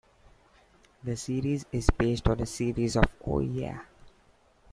The series is based on a series of Oh Yeah!